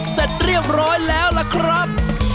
เสร็จเรียบร้อยแล้วล่ะครับ